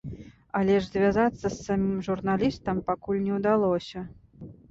Але ж звязацца з самім журналістам пакуль не ўдалося.